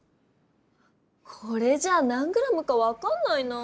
これじゃあ何ｇかわかんないなぁ。